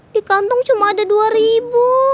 di kantong cuma ada dua ribu